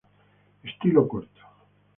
Estilo corto.